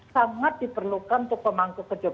sangat diperlukan untuk pemangku